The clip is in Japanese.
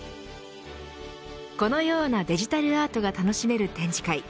このようなデジタルアートが楽しめる展示会